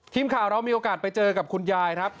ทีมข่าวเรามีโอกาสไปเจอกับคุณยายครับ